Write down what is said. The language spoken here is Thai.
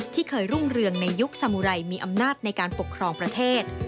ที่เคยรุ่งเรืองในยุคสมุไรมีอำนาจในการปกครองประเทศ